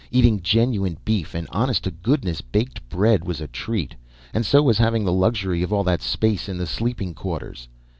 Eating genuine beef and honest to goodness baked bread was a treat, and so was having the luxury of all that space in the sleeping quarters.